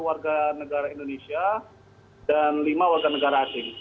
sepuluh warga negara indonesia dan lima warga negara asing